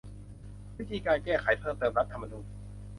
วิธีการแก้ไขเพิ่มเติมรัฐธรรมนูญ